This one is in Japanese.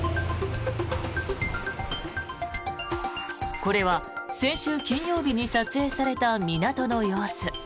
これは先週金曜日に撮影された港の様子。